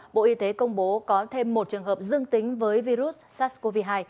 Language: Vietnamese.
bộ y tế công bố có thêm một trường hợp dương tính với virus sars cov hai